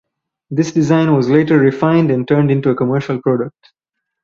This design was later refined and turned into a commercial product.